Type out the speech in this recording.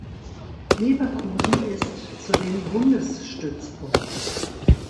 Leverkusen ist zudem Bundesstützpunkt.